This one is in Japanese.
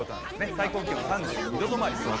最高気温３２度止まりです。